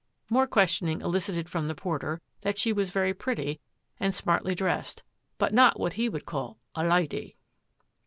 More questioning elicited from the porter that she was very pretty and smartly dressed, but not what he would call a " lydy."